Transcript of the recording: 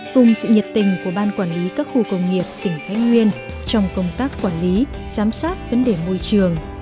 cùng sự nhiệt tình của ban quản lý các khu công nghiệp tỉnh thái nguyên trong công tác quản lý giám sát vấn đề môi trường